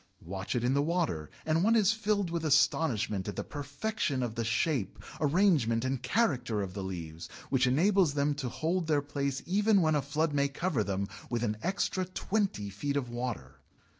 Watch it in the water and one is filled with astonishment at the perfection of the shape, arrangement, and character of the leaves, which enables them to hold their place even when a flood may cover them with an extra twenty feet of water!